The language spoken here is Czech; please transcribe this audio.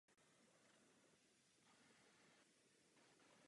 Prochází jím silnice z Ústí nad Orlicí do Brandýsa nad Orlicí.